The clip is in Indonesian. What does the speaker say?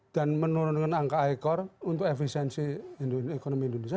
dan menurunkan angka ekor untuk efisiensi ekonomi indonesia